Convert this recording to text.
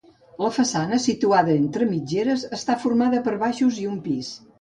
La façana, situada entre mitgeres, està formada per baixos i un pis.